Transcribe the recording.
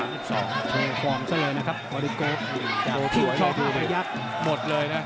พร้อมเจ้าเลยนะครับบริเกิร์ตจากที่ช่องขายักหมดเลยนะ